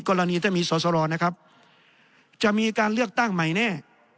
กรณีถ้ามีสอสรนะครับจะมีการเลือกตั้งใหม่แน่